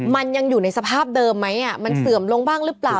มันยังอยู่ในสภาพเดิมไหมมันเสื่อมลงบ้างหรือเปล่า